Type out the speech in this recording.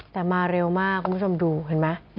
แต่มาเร็วมากคุณผู้ชมดูเห็นไหม